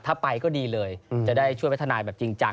ถ้าไปก็ดีเลยจะได้ช่วยพัฒนาแบบจริงจัง